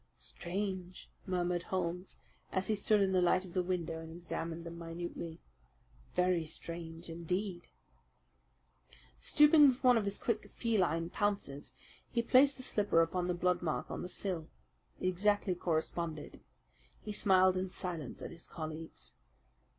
"Strange!" murmured Holmes, as he stood in the light of the window and examined them minutely. "Very strange indeed!" Stooping with one of his quick feline pounces, he placed the slipper upon the blood mark on the sill. It exactly corresponded. He smiled in silence at his colleagues.